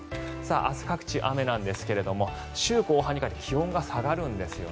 明日各地、雨ですが週後半にかけて気温が下がるんです。